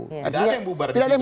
nggak ada yang bubar di situ